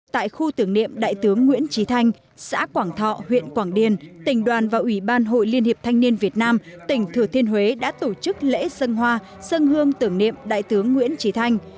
tại khu tưởng niệm đại tướng nguyễn trí thanh xã quảng thọ huyện quảng điền tỉnh đoàn và ủy ban hội liên hiệp thanh niên việt nam tỉnh thừa thiên huế đã tổ chức lễ dân hoa dân hương tưởng niệm đại tướng nguyễn trí thanh